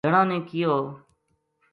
جنا نے کہیو